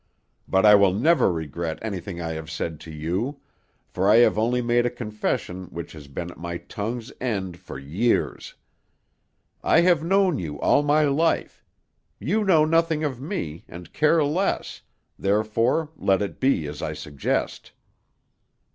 But I will never regret anything I have said to you, for I have only made a confession which has been at my tongue's end for years. I have known you all my life; you know nothing of me, and care less, therefore let it be as I suggest."